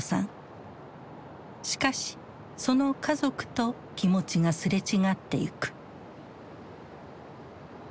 しかしその家族と気持ちがすれ違ってゆく。